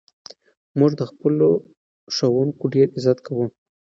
موږ د خپلو ښوونکو ډېر عزت کوو.